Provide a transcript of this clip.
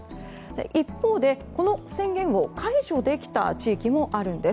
一方で、この宣言を解除できた地域もあるんです。